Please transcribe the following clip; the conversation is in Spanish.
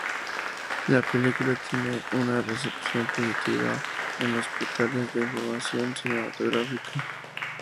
La película tiene una recepción positiva en los portales de información cinematográfica.